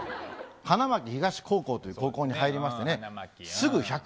花巻東高校という高校に入りましたね。